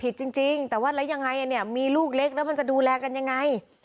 จริงแต่ว่าแล้วยังไงเนี่ยมีลูกเล็กแล้วมันจะดูแลกันยังไง